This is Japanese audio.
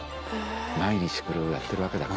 毎日これをやってるわけだから。